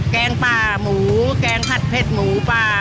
แกงปลาหมูแกงผัดเผ็ดหมูป่า